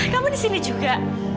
kamu di sini juga